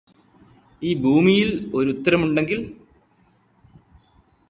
ഈ ഭൂമിയില് ഒരുത്തരമുണ്ടെങ്കില്